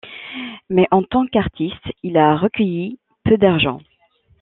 Mais en tant qu’artiste il a recueilli peu d’argent.